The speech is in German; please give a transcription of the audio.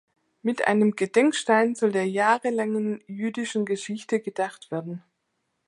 Mit einem Gedenkstein soll der jahrelangen jüdischen Geschichte gedacht werden.